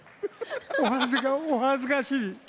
お恥ずかしい。